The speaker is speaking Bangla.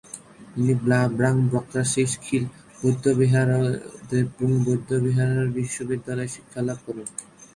তিনি ব্লা-ব্রাং-ব্ক্রা-শিস-'খ্যিল বৌদ্ধবিহারে ও দ্রেপুং বৌদ্ধবিহার বিশ্ববিদ্যালয়ে শিক্ষালাভ করেন।